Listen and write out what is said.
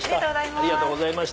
ありがとうございます。